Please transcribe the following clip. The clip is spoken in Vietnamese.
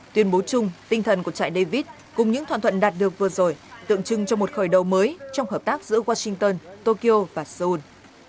tuyên bố chung tinh thần của trại david cùng những thoạn thuận đạt được vừa rồi tượng trưng cho một khởi đầu mới trong hợp tác giữa washington tokyo và seoul